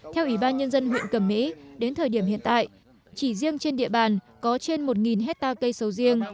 theo ủy ban nhân dân huyện cẩm mỹ đến thời điểm hiện tại chỉ riêng trên địa bàn có trên một hectare cây sầu riêng